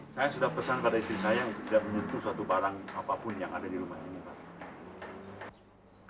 saya sudah pesan pada istri saya untuk tidak menyentuh suatu barang apapun yang ada di rumah ini pak